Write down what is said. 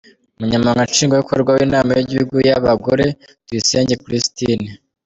Umunyamabanga nshingwabikorwa w’Inama y’Igihugu y’Abagore, Tuyisenge Christine, .